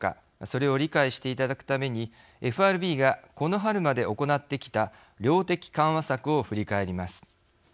それを理解していただくためにＦＲＢがこの春まで行ってきた量的緩和策を振り返ります。